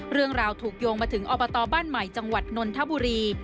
เรื่องราวถูกโยงมาถึงอบตบ้านใหม่จังหวัดนนทบุรี